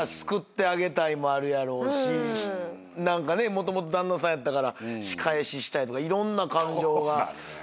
もともと旦那さんやったから仕返ししたいとかいろんな感情が生まれるんでしょうね。